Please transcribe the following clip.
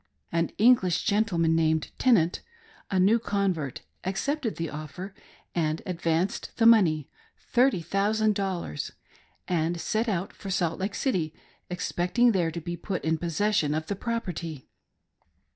An English, gentleman named Tenant, a new convert, accepted the offer and advanced the money— thirty thousand dollars — and set out for .Salt Lake City, expecting there to be put in possession of the property.